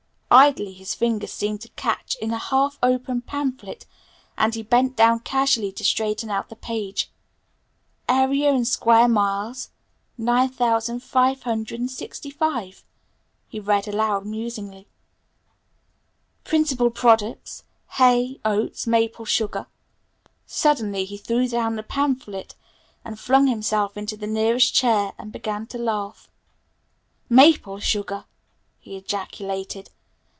Idly his finger seemed to catch in a half open pamphlet, and he bent down casually to straighten out the page. "Area in square miles 9,565," he read aloud musingly. "Principal products hay, oats, maple sugar " Suddenly he threw down the pamphlet and flung himself into the nearest chair and began to laugh. "Maple sugar?" he ejaculated.